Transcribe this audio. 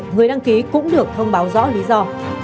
người đăng ký cũng được thông báo rõ lý do